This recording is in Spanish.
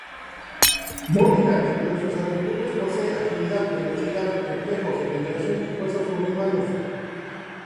Morrigan dentro de sus atributos posee agilidad, velocidad, reflejos, regeneración y fuerza sobrehumanos.